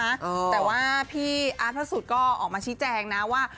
แต่ว่าพี่อาร์ตพระสุทธิ์ก็ออกมาชี้แจงนะว่า